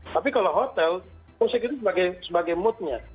tapi kalau hotel musik itu sebagai moodnya